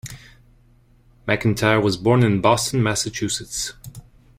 McIntyre was born in Boston, Massachusetts.